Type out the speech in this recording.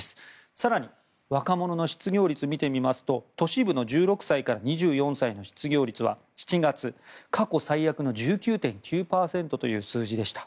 更に、若者の失業率を見てみますと都市部の１６歳から２４歳の失業率は７月、過去最悪の１９．９％という数字でした。